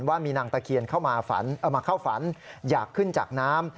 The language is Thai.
ว่ามีนางตะเคียนเข้ามาฝันเอามาเข้าฝันอยากขึ้นจากน้ำ